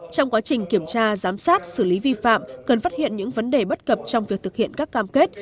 trong quá trình kiểm tra giám sát xử lý vi phạm cần phát hiện những vấn đề bất cập trong việc thực hiện các cam kết